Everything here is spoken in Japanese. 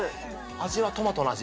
味はトマトの味？